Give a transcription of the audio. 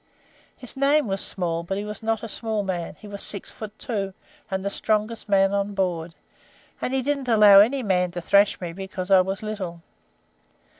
His name was Small, but he was not a small man; he was six feet two, and the strongest man on board, and he didn't allow any man to thrash me, because I was little.